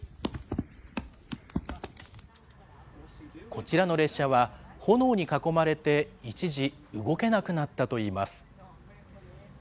こちらの列車は、炎に囲まれて一時、動けなくなったといいます。